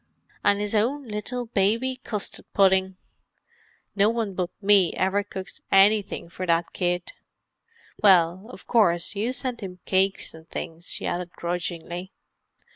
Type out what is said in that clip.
"An' 'is own little baby custid puddin'. No one but me ever cooks anythink for that kid. Well, of course, you send 'im cakes an' things," she added grudgingly.